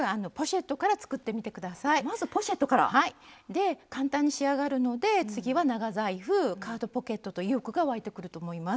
で簡単に仕上がるので次は長財布カードポケットと意欲が湧いてくると思います。